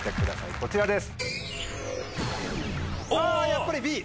こちらです。